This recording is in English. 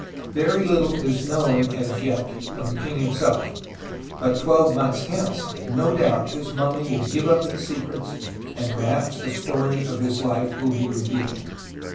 Very httle is known as yet of the king himself, but twelve months hence no doubt his mummy will give up its secrets and perhaps the story of his life will be revealed.